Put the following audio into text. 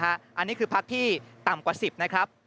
อันนี้คือพักที่ต่ำกว่า๑๐นะครับ